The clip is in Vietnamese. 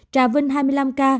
trà vinh hai mươi năm ca